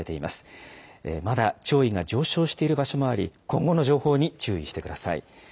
まだ潮位が上昇している場所もあり、今後の情報に注意してください。